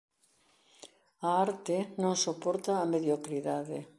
A arte non soporta a mediocridade.